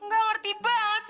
nggak ngerti banget sih